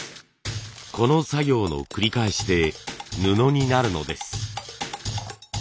この作業の繰り返しで布になるのです。